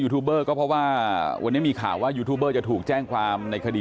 ทูบเบอร์ก็เพราะว่าวันนี้มีข่าวว่ายูทูบเบอร์จะถูกแจ้งความในคดี